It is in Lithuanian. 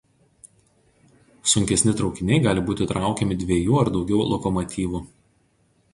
Sunkesni traukiniai gali būti traukiami dviejų ar daugiau lokomotyvų.